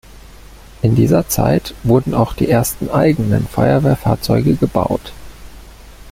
In dieser Zeit wurden auch die ersten eigenen Feuerwehrfahrzeuge gebaut.